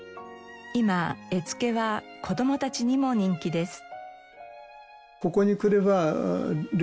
今絵付けは子供たちにも人気です。